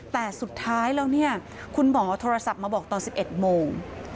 แต่สุดท้ายแล้วเนี่ยคุณหมอโทรศัพท์มาบอกตอน๑๑โมง